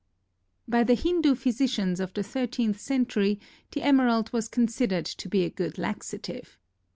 By the Hindu physicians of the thirteenth century the emerald was considered to be a good laxative.